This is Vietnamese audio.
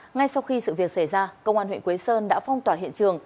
ngay sau khi sự việc xảy ra công an huyện quế sơn đã phong tỏa hiện trường